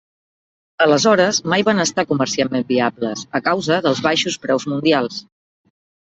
Aleshores mai van estar comercialment viable a causa dels baixos preus mundials.